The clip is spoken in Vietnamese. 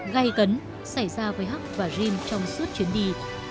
gây cấn xảy ra với huck và jim trong suốt chuyến đi